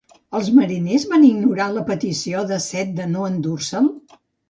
Els mariners van ignorar la petició d'Acet de no endur-se'l?